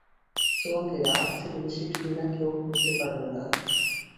তোমাকে আমার থেকে বেশি ঘৃণা কেউ করতে পারবে না।